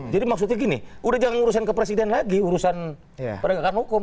jadi maksudnya gini udah jangan urusan ke presiden lagi urusan perenggakan hukum